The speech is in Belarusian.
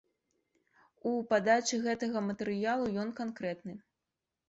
У падачы гэтага матэрыялу ён канкрэтны.